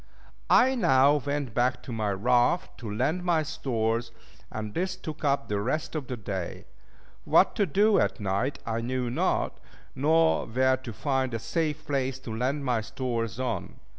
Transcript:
I now went back to my raft to land my stores, and this took up the rest of the day. What to do at night I knew not, nor where to find a safe place to land my stores on.